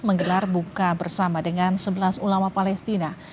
menggelar buka bersama dengan sebelas ulama palestina